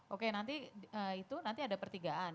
oke nanti itu nanti ada pertigaan